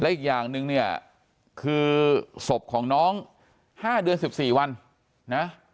และอีกอย่างหนึ่งเนี่ยคือศพของน้องห้าเดือนสิบสี่วันนะ